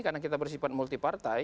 karena kita bersifat multi partai